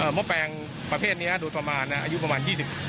หม้อแปลงประเภทนี้ดูประมาณนะอายุประมาณ๒๐